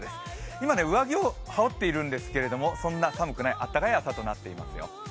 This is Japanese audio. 今ね、上着を羽織っているんですけれども、そんなに寒くない暖かい朝となっていますよ。